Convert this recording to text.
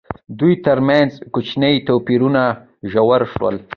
دوی ترمنځ کوچني توپیرونه ژور شول.